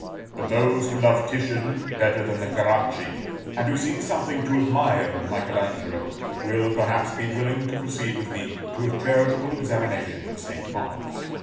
But those who love Titian better than the Caracci, and who see something to admire in Michael Angelo, will, perhaps, be willing to proceed with me to a charitable examination of St. Mark's.